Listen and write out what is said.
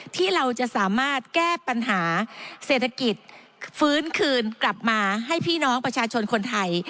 ที่เราจะสามารถแก้ปัญหาเศรษฐกิจฟื้นคืนกลับมาให้พี่น้องประชาชนคนไทย